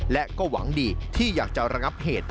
และก็หวังดีที่อยากจะระงับเหตุ